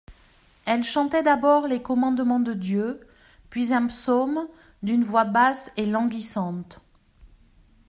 Elle chantait d'abord les Commandements de Dieu, puis un psaume d'une voix basse et languissante.